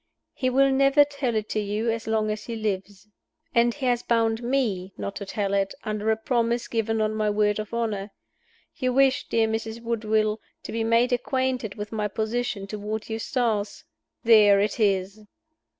He will never tell it to you as long as he lives. And he has bound me not to tell it, under a promise given on my word of honor. You wished, dear Mrs. Woodville, to be made acquainted with my position toward Eustace. There it is!"